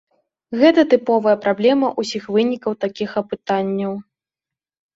Гэта тыповая праблема ўсіх вынікаў такіх апытанняў.